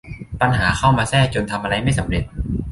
ปัญหาเข้ามาแทรกจนทำอะไรไม่สำเร็จ